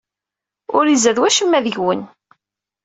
Ur izad wacemma deg-wen.